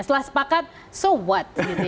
setelah sepakat so what